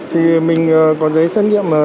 thì mình có giấy xét nghiệm